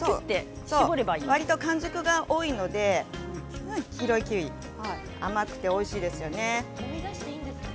わりと果汁が多いので黄色いキウイ、甘くておいしいですよね。